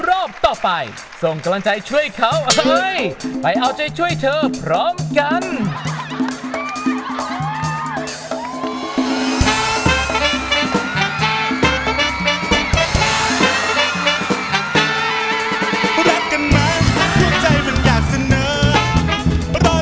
รักรักกันนะหัวใจมันอยากจะตีตาจอง